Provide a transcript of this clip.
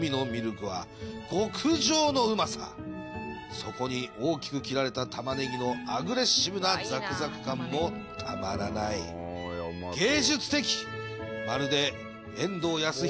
そこに大きく切られた玉ねぎのアグレッシブなザクザク感もたまらないやわらかい！